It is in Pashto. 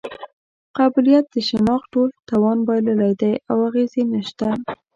قبیلویت د شناخت ټول توان بایللی دی او اغېز یې نشته.